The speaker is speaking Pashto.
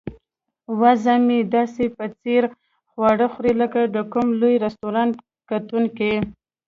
وزه مې داسې په ځیر خواړه خوري لکه د کوم لوی رستورانت کتونکی.